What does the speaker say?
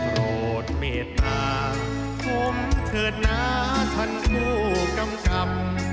โทษเหมียตาผมเถิดหน้าทันผู้กำกับ